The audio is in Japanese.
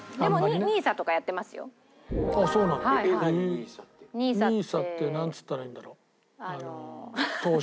ＮＩＳＡってなんつったらいいんだろう？投資。